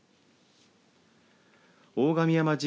大神山神